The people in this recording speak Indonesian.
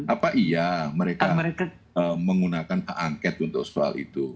apa iya mereka menggunakan angket untuk soal itu